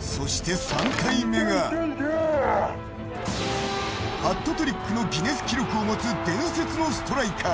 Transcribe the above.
そして３体目が、ハットトリックのギネス記録を持つ伝説のストライカー。